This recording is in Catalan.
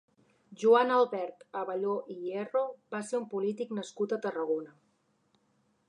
Joan Albert Abelló i Hierro va ser un polític nascut a Tarragona.